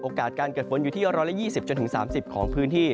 การเกิดฝนอยู่ที่๑๒๐๓๐ของพื้นที่